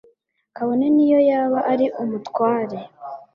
kabone n'iyo yaba ari umutware